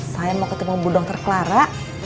saya mau ketemu bu dokter clara